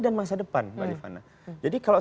dan masa depan mbak rifana jadi kalau